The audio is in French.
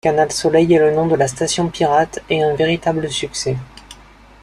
Canal soleil est le nom de la station pirate et un véritable succès.